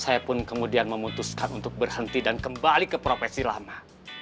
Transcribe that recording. saya pun kemudian memutuskan untuk berhenti dan kembali ke profesi lama